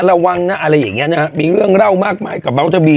ระวังนะอะไรอย่างเงี้นะฮะมีเรื่องเล่ามากมายกับเมาสบี